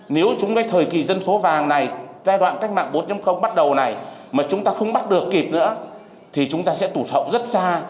nếu chúng cái thời kỳ dân số vàng này giai đoạn cách mạng bốn bắt đầu này mà chúng ta không bắt được kịp nữa thì chúng ta sẽ tụt hậu rất xa